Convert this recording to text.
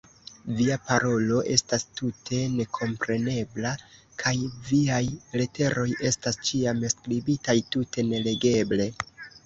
Via parolo estas tute nekomprenebla kaj viaj leteroj estas ĉiam skribitaj tute nelegeble.